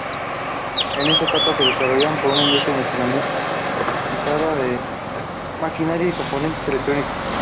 En esa etapa se desarrolló una industria nacionalizada de maquinaria y componentes electrónicos.